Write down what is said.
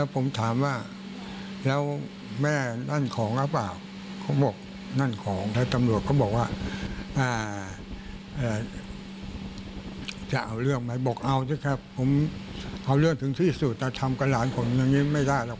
ผมเอาเรื่องถึงที่สุดแต่ทำกับหลานผมอย่างนี้ไม่ได้หรอก